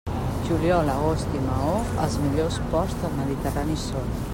Juliol, agost i Maó, els millors ports del Mediterrani són.